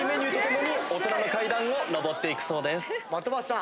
的場さん